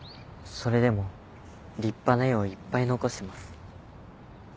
それでも立派な絵をいっぱい残してます。